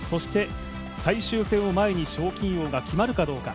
最終戦を前に賞金王が決まるかどうか。